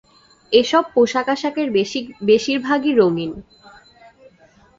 এসব পোশাক-আশাকের বেশির ভাগই রঙিন।